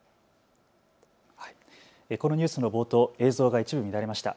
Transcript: このニュースの冒頭、映像が一部乱れました。